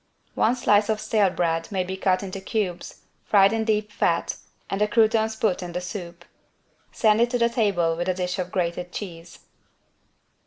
One slice of stale bread may be cut into cubes, fried in deep fat, and the croutons put in the soup. Send it to the table with a dish of grated cheese.